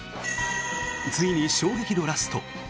ついに衝撃のラスト。